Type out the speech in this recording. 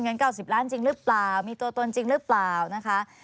๙๐ล้านจริงหรือเปล่ามีตัวตนจริงหรือเปล่านะคะ